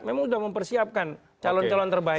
memang sudah mempersiapkan calon calon terbaik